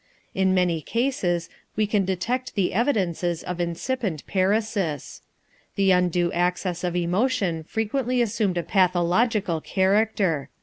In many cases we can detect the evidences of incipient paresis. The undue access of emotion frequently assumed a pathological character.